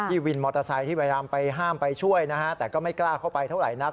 วินมอเตอร์ไซค์ที่พยายามไปห้ามไปช่วยนะฮะแต่ก็ไม่กล้าเข้าไปเท่าไหร่นัก